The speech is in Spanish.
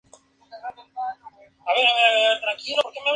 En Meereen, Ser Barristan le cuenta historias de Rhaegar Targaryen a Daenerys.